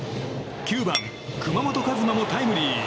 ９番、熊本和真もタイムリー。